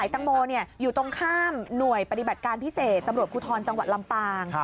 ต่างข้ามหน่วยปฏิบัติการพิเศษตำรวจคุทรจังหวัดลำปาง